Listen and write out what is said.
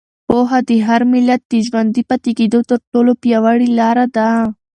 پوهه د هر ملت د ژوندي پاتې کېدو تر ټولو پیاوړې لاره ده.